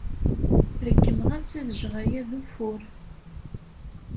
Ṛeggmeɣ-as ad jjeɣ aya d ufur.